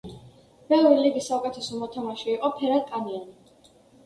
ბევრი ლიგის საუკეთესო მოთამაშე იყო ფერად-კანიანი.